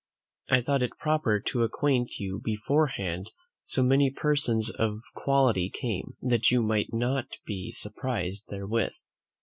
I thought it proper to acquaint you beforehand so many persons of quality came, that you might not be surprised therewith.